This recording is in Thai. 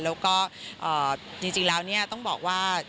แล้วก็จริงแล้วต้องบอกว่า